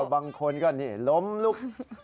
บางคนก็ล้มลุก